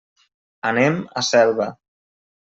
Anem a Selva.